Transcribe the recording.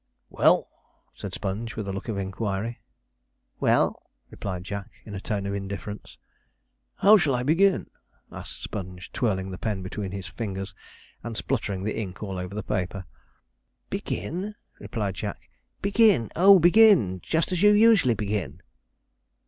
'Well?' said Sponge, with a look of inquiry. 'Well,' replied Jack, in a tone of indifference. 'How shall I begin?' asked Sponge, twirling the pen between his fingers, and spluttering the ink over the paper. 'Begin!' replied Jack, 'begin, oh, begin, just as you usually begin.'